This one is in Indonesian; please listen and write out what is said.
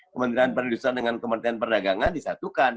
kementerian perindustrian dengan kementerian perdagangan disatukan